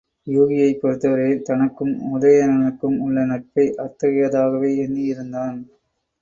யூகியைப் பொறுத்தவரையில் தனக்கும் உதயணனுக்கும் உள்ள நட்பை, அத்தகையதாகவே எண்ணியிருந்தான்.